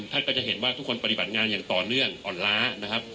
ท่านก็จะเห็นว่าทุกคนปฏิบัติงานอย่างต่อเนื่องอ่อนล้านะครับ